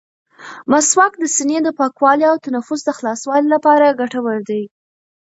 مسواک د سینې د پاکوالي او تنفس د خلاصوالي لپاره ګټور دی.